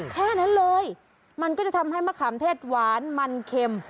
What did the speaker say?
แค่นั้นเลยมันก็จะทำให้มะขามเทศหวานมันเข็ม